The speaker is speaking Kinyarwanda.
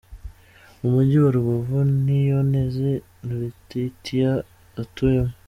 Umugi wa Rubavu Niyonteze Leatitia atuyemo.